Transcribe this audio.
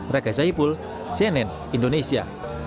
rekasya ipul cnn indonesia